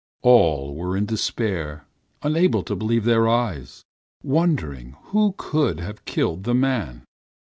All were in despair, unable to believe their eyes, wondering who could have killed the man.